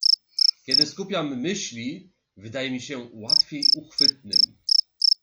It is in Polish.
"Kiedy skupiam myśli, wydaje mi się łatwiej uchwytnym."